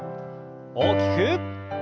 大きく。